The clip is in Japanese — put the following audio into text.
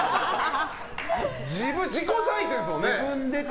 自己採点ですもんね。